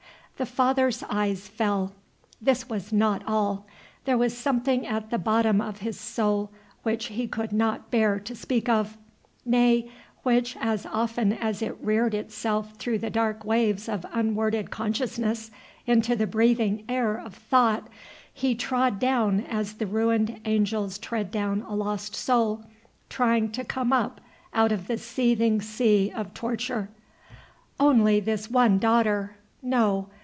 The father's eyes fell. This was not all. There was something at the bottom of his soul which he could not bear to speak of, nay, which, as often as it reared itself through the dark waves of unworded consciousness into the breathing air of thought, he trod down as the ruined angels tread down a lost soul, trying to come up out of the seething sea of torture. Only this one daughter! No!